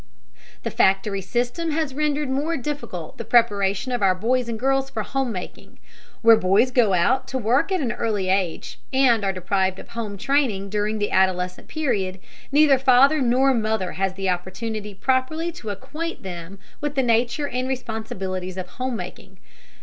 The factory system has rendered more difficult the preparation of our boys and girls for home making. Where boys go out to work at an early age and are deprived of home training during the adolescent period, neither father nor mother has the opportunity properly to acquaint them with the nature and responsibilities of home making.